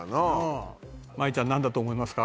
麻衣ちゃんなんだと思いますか？